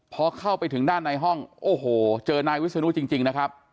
พอเข้าไปถึงด้านในห้องโอ้โหเจอนายวิศนุจริงนะครับ